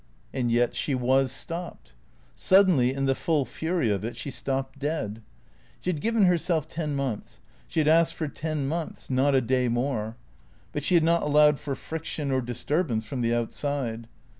And yet she was stopped. Suddenly, in the full fury of it, she stopped dead. She had given herself ten months. She had asked for ten months; not a day more. But she had not allowed for friction or disturbance from the outside.